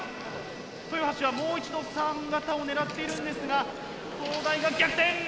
豊橋はもう一度３型を狙っているんですが東大が逆転！